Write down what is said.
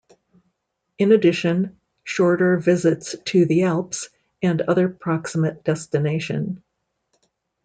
In addition, shorter visits to the Alps and other proximate destination.